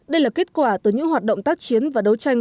đây là kết quả từ những hoạt động tác chiến và đấu tranh